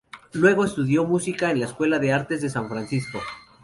Luego estudió música en la Escuela de Artes de San Francisco.